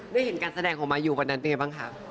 ได้เห็นการแสดงของมายูวันนั้นเป็นไงบ้างคะ